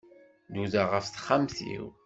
Nudaɣ ɣef texxamt-iw.